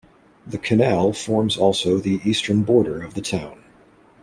The canal forms also the eastern border of the town.